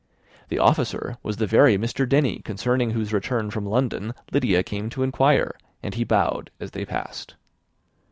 The officer was the very Mr. Denny concerning whose return from London Lydia came to inquire, and he bowed as they passed.